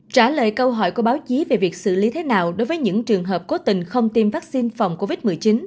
trả lời câu hỏi của báo chí về việc xử lý thế nào đối với những trường hợp cố tình không tiêm vaccine phòng covid một mươi chín